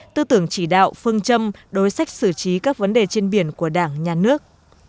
tư tưởng chỉ đạo phương châm đối sách xử trí các vấn đề trên biển của đảng nhà nước